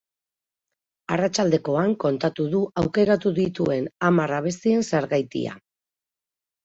Arratsaldekoan kontatuko du aukeratu dituen hamar abestien zergatia.